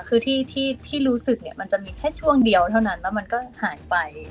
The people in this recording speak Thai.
คือที่ที่ที่รู้สึกเนี้ยมันจะมีแค่ช่วงเดียวเท่านั้นแล้วมันก็หายไปอะไรอย่างเงี้ยค่ะ